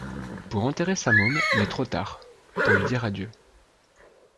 pour enterrer sa môme mais trop tard, pour lui dire adieu.